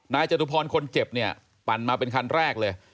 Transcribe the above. นายจตุพรคนเจ็บปั่นมาเป็นคันแรกเลย